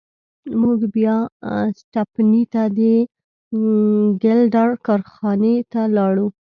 موږ بیا سټپني ته د ګیلډر کارخانې ته لاړو.